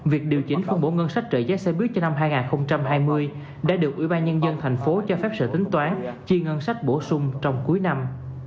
việc điều chỉnh phân bổ ngân sách trợ giá xe buýt cho năm hai nghìn hai mươi đã được ủy ban nhân dân tp hcm cho phép sở tính toán chi ngân sách bổ sung trong cuối năm